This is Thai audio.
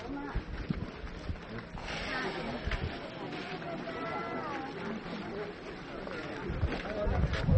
ไม่เป็นไร